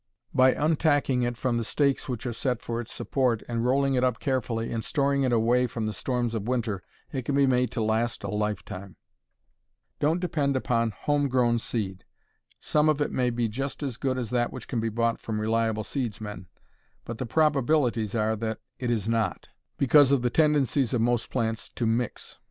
By untacking it from the stakes which are set for its support, and rolling it up carefully, and storing it away from the storms of winter, it can be made to last a lifetime. Don't depend upon home grown seed. Some of it may be just as good as that which can be bought from reliable seedsmen, but the probabilities are that it is not, because of the tendencies of most plants to "mix."